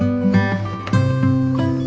terima kasih ya mas